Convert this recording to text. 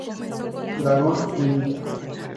Dragon Ninja".